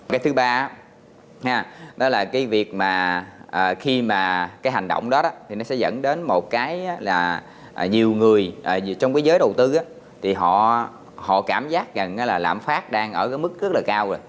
cái thứ ba đó là cái việc mà khi mà cái hành động đó thì nó sẽ dẫn đến một cái là nhiều người trong cái giới đầu tư thì họ cảm giác rằng là lạm phát đang ở cái mức rất là cao rồi